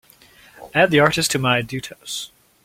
Add the artist to my Duetos.